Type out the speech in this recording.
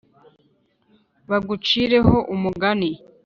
bagucire ho umugani,